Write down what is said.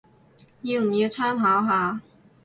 要唔要參考下